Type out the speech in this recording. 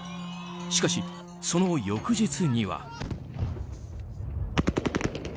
しかし、その翌日には。